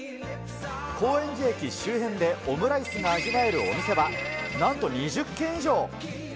高円寺駅周辺でオムライスが味わえるお店はなんと２０軒以上。